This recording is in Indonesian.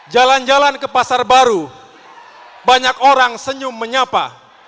jalan jalan ke pasar baru banyak orang senyum menyapa